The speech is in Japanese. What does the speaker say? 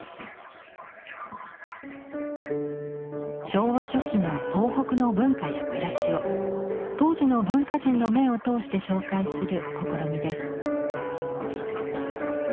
昭和初期の東北の文化や暮らしを当時の文化人の目を通して紹介する試みです。